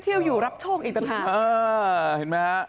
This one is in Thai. เที่ยวอยู่รับโชคอีกต่อมาเห็นไหมฮะ